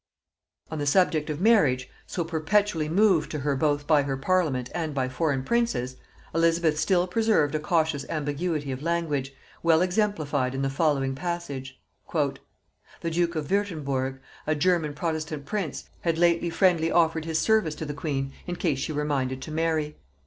] On the subject of marriage, so perpetually moved to her both by her parliament and by foreign princes, Elizabeth still preserved a cautious ambiguity of language, well exemplified in the following passage: "The duke of Wirtemburg, a German protestant prince, had lately friendly offered his service to the queen, in case she were minded to marry.